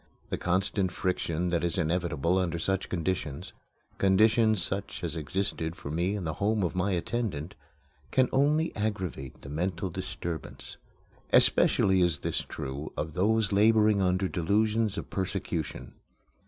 The constant friction that is inevitable under such conditions conditions such as existed for me in the home of my attendant can only aggravate the mental disturbance. Especially is this true of those laboring under delusions of persecution.